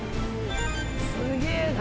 すげぇな。